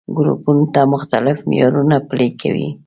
ګروپونو ته مختلف معيارونه پلي کوي.